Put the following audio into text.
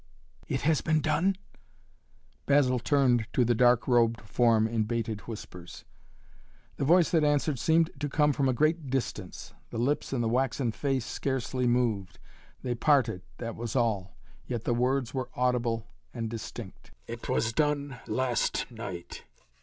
"It has been done?" Basil turned to the dark robed form in bated whispers. The voice that answered seemed to come from a great distance. The lips in the waxen face scarcely moved. They parted, that was all. Yet the words were audible and distinct. "It was done. Last night."